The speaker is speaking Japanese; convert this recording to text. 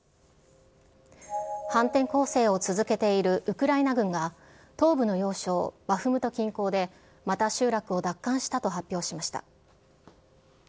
反転攻勢を続けているウクライナ軍が、東部の要衝バフムト近郊でまた集落を奪還したと発表しました。